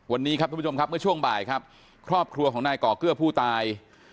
วันนี้ครับทุกผู้ชมครับเมื่อช่วงบ่ายครับครอบครัวของนายก่อเกื้อผู้ตาย